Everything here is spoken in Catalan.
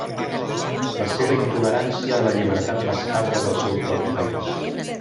La seva intolerància a la llibertat bastarda del seu propi país.